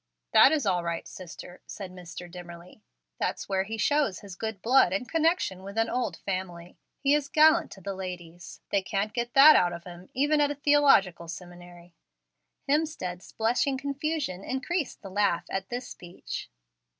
"That is all right, sister," said Mr. Dimmerly. "That's where he shows his good blood and connection with an old family. He is gallant to the ladies. They can't get that out of him, even at a theological seminary." Hemstead's blushing confusion increased the laugh at this speech.